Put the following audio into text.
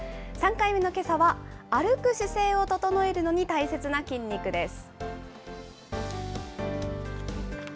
３回目のけさは、歩く姿勢を整えるのに大切な筋肉です。